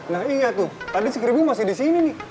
nah iya tuh tadi keribu masih disini nih